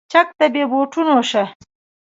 چک ته بې بوټونو شه.